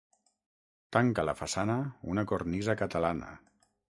Tanca la façana una cornisa catalana.